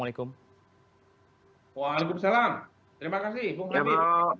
wa alaikumsalam terima kasih bung krabir